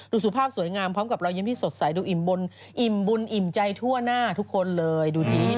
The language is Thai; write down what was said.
สุภาพสวยงามพร้อมกับรอยยิ้มที่สดใสดูอิ่มบุญอิ่มบุญอิ่มใจทั่วหน้าทุกคนเลยดูดี